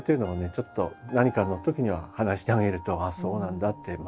ちょっと何かのときには話してあげるとああそうなんだって